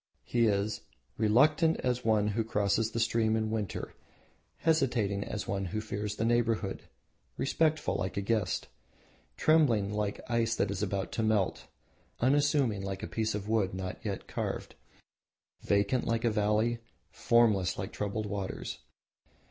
He is "reluctant, as one who crosses a stream in winter; hesitating as one who fears the neighbourhood; respectful, like a guest; trembling, like ice that is about to melt; unassuming, like a piece of wood not yet carved; vacant, like a valley; formless, like troubled waters."